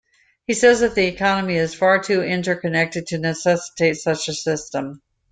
He says that the economy is far too interconnected to necessitate such a system.